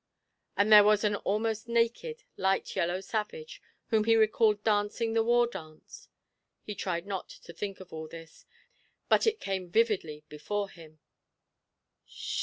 And there was an almost naked light yellow savage, whom he recalled dancing the war dance he tried not to think of all this, but it came vividly before him.